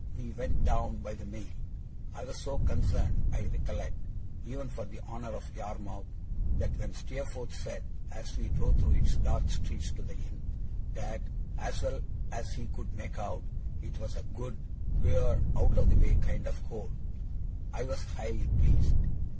We went down by the Mail. I was so concerned, I recollect, even for the honour of Yarmouth, that when Steerforth said, as we drove through its dark streets to the inn, that, as well as he could make out, it was a good, queer, out of the way kind of hole, I was highly pleased.